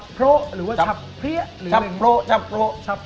เป็นคนก็ง้อนครับ